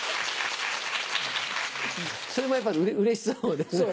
それもやっぱうれしそうですね。